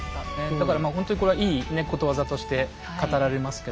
だからまあほんとにこれはいいことわざとして語られますけど。